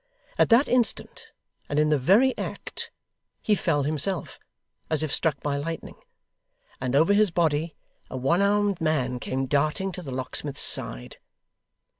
At that instant, and in the very act, he fell himself, as if struck by lightning, and over his body a one armed man came darting to the locksmith's side.